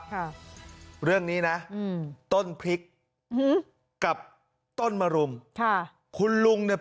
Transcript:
ค่ะเรื่องนี้นะอืมต้นพริกอืมกับต้นมรุมค่ะคุณลุงเนี่ย